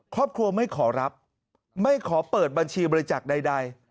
ครอบครัวไม่ขอรับไม่ขอเปิดบัญชีบริจักษ์ใด